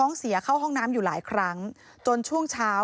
พ่อพูดว่าพ่อพูดว่าพ่อพูดว่าพ่อพูดว่า